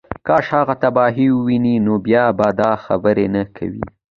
کاش هغه تباهۍ ووینې نو بیا به دا خبرې نه کوې